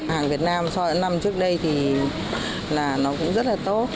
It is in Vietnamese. hàng việt nam so với năm trước đây thì là nó cũng rất là tốt